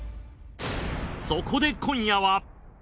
そこで今夜は。